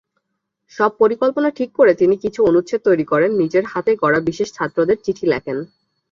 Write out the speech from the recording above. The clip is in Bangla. সব পরিকল্পনা ঠিক করে তিনি কিছু অনুচ্ছেদ তৈরী করেন এবং নিজের হাতে গড়া বিশেষ ছাত্রদের চিঠি লিখেন।